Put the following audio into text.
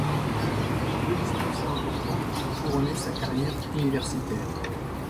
Deux distinctions importantes ont couronné sa carrière universitaire.